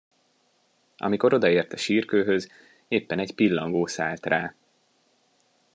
Amikor odaért a sírkőhöz, éppen egy pillangó szállt rá.